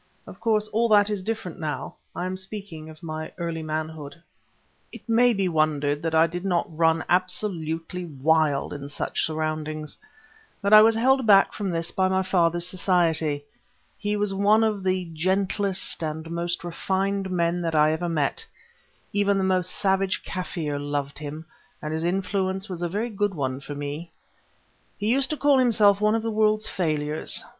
Of course, all that is different now, I am speaking of my early manhood. It may be wondered that I did not run absolutely wild in such surroundings, but I was held back from this by my father's society. He was one of the gentlest and most refined men that I ever met; even the most savage Kaffir loved him, and his influence was a very good one for me. He used to call himself one of the world's failures.